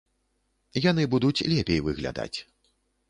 Яны будуць лепей выглядаць.